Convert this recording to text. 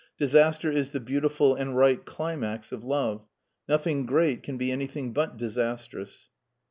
Disaster is the beautiful and right climax of love. Nothing great can be anything but disastrous.'